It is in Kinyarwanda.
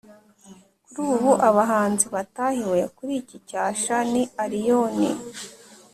kuri ubu abahanzi batahiwe kuri iki cyasha ni allioni